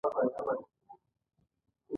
خو بښنه آسماني خاصیت دی.